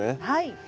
はい。